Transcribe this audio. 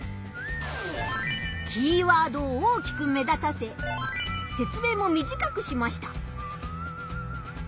キーワードを大きく目立たせせつ明も短くしました。